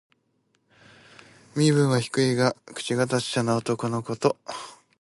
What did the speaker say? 身分は低いが、口が達者な男のこと。